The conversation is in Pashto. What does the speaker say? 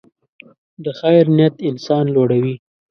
د خیر نیت انسان لوړوي.